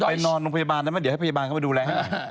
ไปนอนลงพยาบาลนะเดี๋ยวให้พยาบาลเข้ามาดูแล